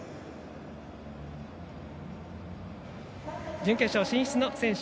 準決勝進出の選手